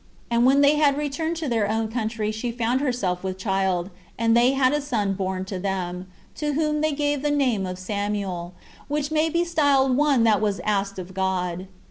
And when they had returned to their own country she found herself with child, and they had a son born to them, to whom they gave the name of Samuel, which may be styled one that was asked of God.